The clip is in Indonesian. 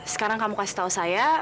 sekarang kamu kasih tahu saya